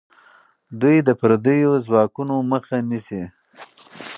دوی د پردیو ځواکونو مخه نیسي.